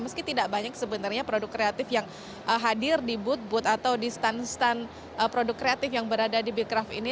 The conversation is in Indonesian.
meski tidak banyak sebenarnya produk kreatif yang hadir di booth booth atau di stand stand produk kreatif yang berada di becraft ini